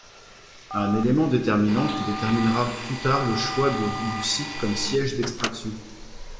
Un élément déterminant qui déterminera plus tard le choix du site comme siège d'extraction.